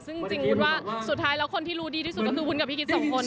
ซึ่งจริงวุ้นว่าสุดท้ายแล้วคนที่รู้ดีที่สุดก็คือวุ้นกับพี่กิ๊กสองคน